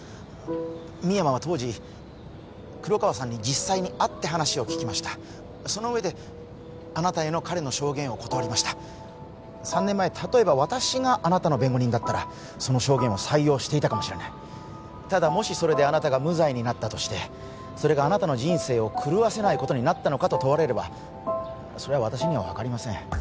深山は当時黒川さんに実際に会って話を聞きましたその上であなたへの彼の証言を断りました３年前例えば私があなたの弁護人だったらその証言を採用していたかもしれないただもしそれであなたが無罪になったとしてそれがあなたの人生を狂わせないことになったのかと問われれば私には分かりません